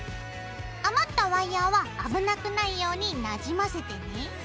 余ったワイヤーは危なくないようになじませてね。